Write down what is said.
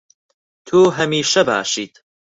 تۆ هەمیشە باشیت.